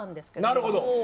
なるほど。